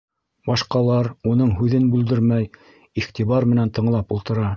Башҡалар уның һүҙен бүлдермәй, иғтибар менән тыңлап ултыра.